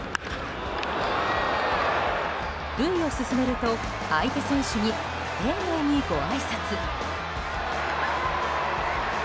塁を進めると、相手選手に丁寧にごあいさつ。